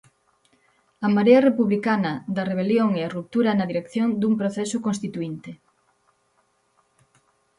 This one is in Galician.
A marea republicana, da rebelión e a ruptura na dirección dun proceso constituínte.